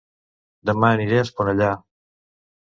Dema aniré a Esponellà